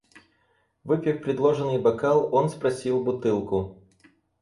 Выпив предложенный бокал, он спросил бутылку.